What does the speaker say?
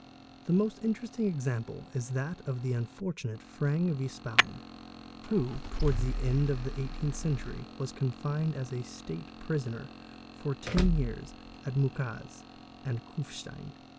The most interesting example is that of the unfortunate Fang v. Spaun who, towards the end of the ce 18th century, was confined as a "state prisoner"' for ten years at Mukeez and Kufstein.